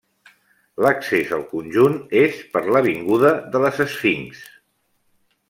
L'accés al conjunt és per l'avinguda de les Esfinxs.